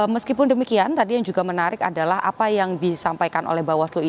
meskipun demikian tadi yang juga menarik adalah apa yang disampaikan oleh bawaslu ini